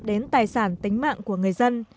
đến tài sản tính mạng của người dân